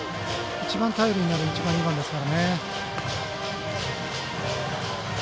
一番頼りになる１番、２番ですから。